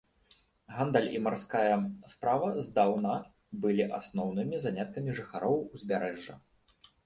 Гандаль і марская справа здаўна былі асноўнымі заняткамі жыхароў узбярэжжа.